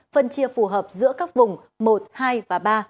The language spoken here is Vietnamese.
phân chia phù hợp giữa các vùng một hai và ba